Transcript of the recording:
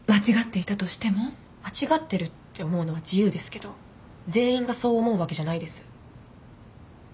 間違ってるって思うのは自由ですけど全員がそう思うわけじゃないです。